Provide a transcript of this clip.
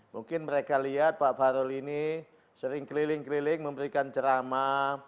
mungkin mereka lihat pak fahrul ini sering keliling keliling memberikan ceramah